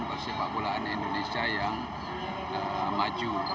persepak bolaan indonesia yang maju